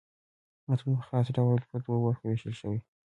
متن په خاص ډول پر دوو برخو وېشل سوی.